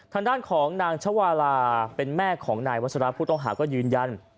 ทางด้านของนางชวาลาเป็นแม่ของนายวัชราผู้ต้องหาก็ยืนยัน